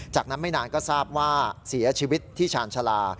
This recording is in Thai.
จากนั้นไม่นานก็ทราบว่าเสียชีวิตที่ชาญชาลา